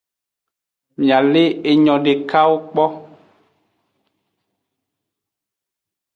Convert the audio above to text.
Miale enyo dekawo kpo.